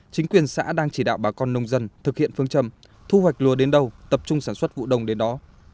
chính quyền xã đang chỉ đạo bà con nông dân thực hiện phương châm thu hoạch lúa đến đâu tập trung sản xuất vụ đông đến đó